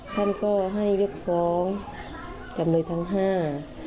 ท่านก็ให้ยกฟ้องจำเลยทั้งห้า